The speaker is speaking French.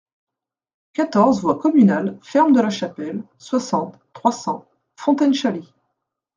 quatorze voie Communale Ferme de la Chapelle, soixante, trois cents, Fontaine-Chaalis